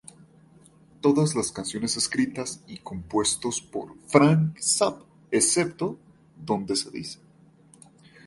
Todas las canciones escritas y compuestos por Frank Zappa excepto dónde se dice.